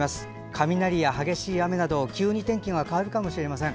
雷や激しい雨など急に天気が変わるかもしれません。